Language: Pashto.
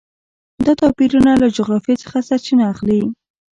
دا توپیرونه له جغرافیې څخه سرچینه اخلي.